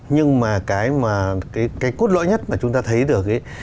nhưng mà cái mà cái cốt lõi nhất mà chúng ta thấy được ấy